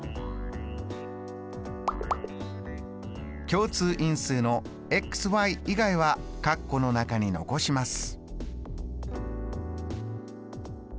共通因数の以外は括弧の中に残します。